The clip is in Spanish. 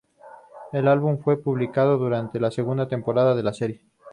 El álbum fue publicado durante la segunda temporada de la serie.